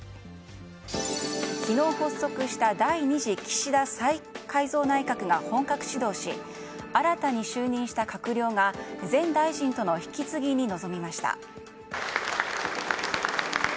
昨日発足した第２次岸田再改造内閣が本格始動し、新たに就任した閣僚が前大臣との引き継ぎに臨みました。